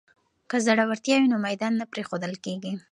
که زړورتیا وي نو میدان نه پریښودل کیږي.